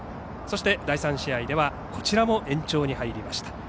そして第３試合ではこちらも延長に入りました。